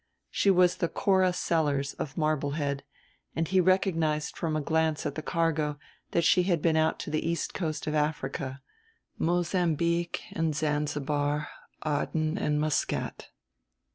She was the Cora Sellers of Marblehead, and he recognized from a glance at the cargo that she had been out to the East Coast of Africa Mozambique and Zanzibar, Aden and Muscat.